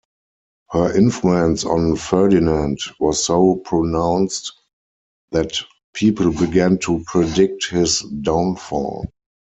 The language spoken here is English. Her influence on Ferdinand was so pronounced that people began to predict his downfall.